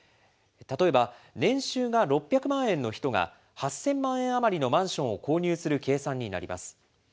例えば、年収が６００万円の人が８０００万円余りのマンションを購入する計算になります。